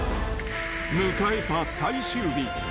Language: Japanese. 迎えた最終日。